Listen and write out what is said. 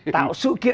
tạo sự kiện